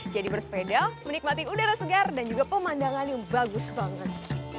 jadi bersepeda menikmati udara segar dan juga pemandangannya bagus banget